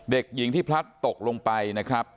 เด็กหญิงที่พลัดตกลงไปนะครับ